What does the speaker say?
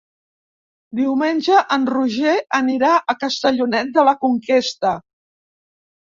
Diumenge en Roger anirà a Castellonet de la Conquesta.